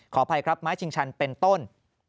อภัยครับไม้ชิงชันเป็นต้น